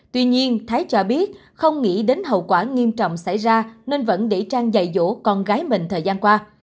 tuy nhiên thái cho biết không nghĩ đến hậu quả nghiêm trọng xảy ra nên vẫn để trang dạy dỗ con gái mình thời gian qua